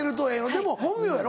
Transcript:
でも本名やろ？